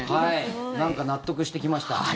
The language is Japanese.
納得してきました。